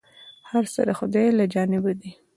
هر څه د خداى له جانبه دي ،